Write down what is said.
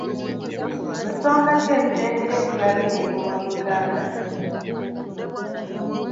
Nsonga ki ezireetera ebbula ly'emirimu mu Uganda?